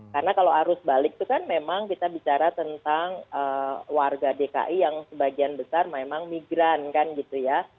karena kalau arus balik itu kan memang kita bicara tentang warga dki yang sebagian besar memang migran kan gitu ya